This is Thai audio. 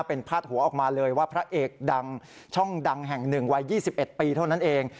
เป็นพาดหัวออกมาเลยว่าพระเอกดังช่องดังแห่ง๑วัย๒๑ปีเท่านั้นเอง